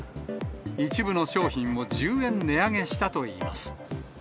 一部の商品を１０円値上げしたといいます。